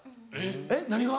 えっ何が？